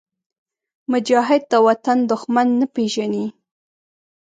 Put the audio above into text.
مجاهد د وطن دښمن نه پېژني.